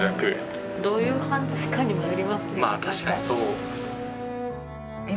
どういう犯罪かにもよりますよね。